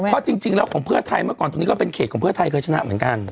เพราะจริงแล้วของเพื่อไทยเมื่อก่อนตรงนี้ก็เป็นเขตของเพื่อไทยเคยชนะเหมือนกัน